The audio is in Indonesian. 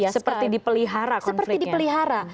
seperti dipelihara konfliknya